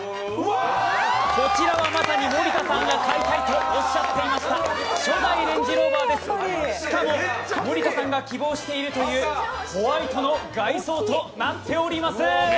こちらはまさに森田さんが買いたいとおっしゃっていました初代レンジローバーですしかも森田さんが希望しているというホワイトの外装となっております。